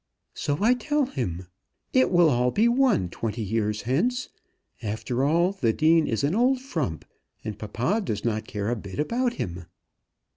"So I tell him. It will all be one twenty years hence. After all, the Dean is an old frump, and papa does not care a bit about him."